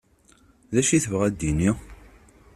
Dacu tebɣa ad tini?